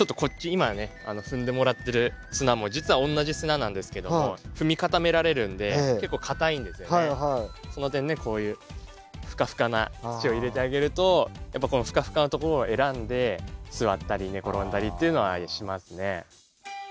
今ね踏んでもらってる砂も実は同じ砂なんですけどもその点ねこういうふかふかな土を入れてあげるとやっぱこのふかふかのところを選んで座ったり寝転んだりっていうのはしますね。